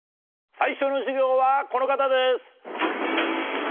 最初の授業はこの方です！